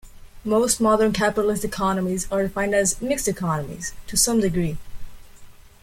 Most modern capitalist economies are defined as "mixed economies" to some degree.